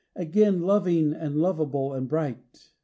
Again loving and lovable and bright.